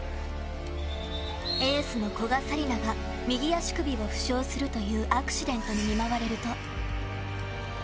エースの古賀紗理那が右足首を負傷するというアクシデントに見舞われると。